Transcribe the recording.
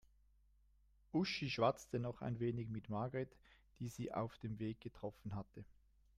Uschi schwatzte noch ein wenig mit Margret, die sie auf dem Weg getroffen hatte.